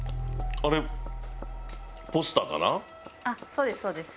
そうですそうです。